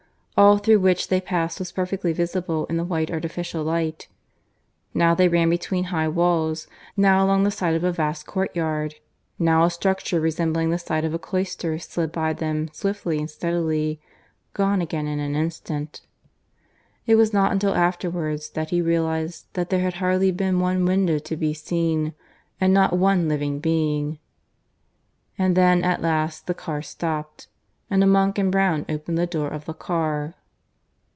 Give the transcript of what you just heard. All through which they passed was perfectly visible in the white artificial light. Now they ran between high walls; now along the side of a vast courtyard; now a structure resembling the side of a cloister slid by them swiftly and steadily gone again in an instant. It was not until afterwards that he realized that there had hardly been one window to be seen; and not one living being. And then at last the car stopped, and a monk in brown opened the door of the car.